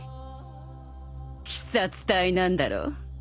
鬼殺隊なんだろう